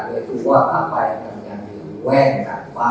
yaitu apa yang terjadi